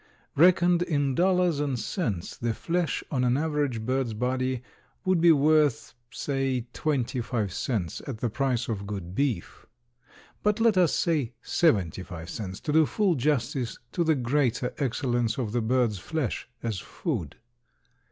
Reckoned in dollars and cents the flesh on an average bird's body would be worth, say twenty five cents at the price of good beef. But let us say seventy five cents to do full justice to the greater excellence of the bird's flesh as food.